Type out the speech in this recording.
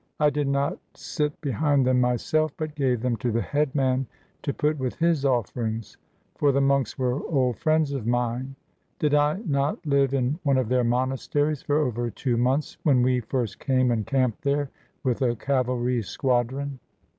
I did not sit behind them myself, but gave them to the headman to put with his offerings; for the monks were old friends of mine. Did I not live in one of their monasteries for over two months when we first came and camped there with a cavalry squadron?